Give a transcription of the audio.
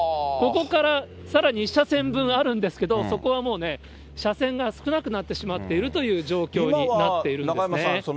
ここからさらに１車線分あるんですけど、そこはもうね、車線が少なくなってしまっているという状況になっているんですね。